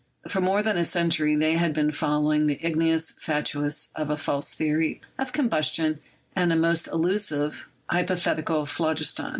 For more than a century they had been following the "ignis fatuus" of a false theory of combustion and a most elusive hypothetical phlogiston.